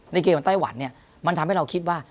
ในเกมในไต้หวันมันทำให้เราคิดว่า